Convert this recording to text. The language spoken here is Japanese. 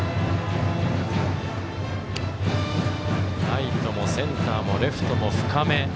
ライトもセンターもレフトも深め。